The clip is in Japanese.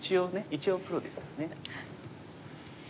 一応プロですからね。